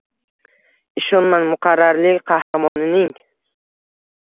ishonmang muqarrarlik qahramonining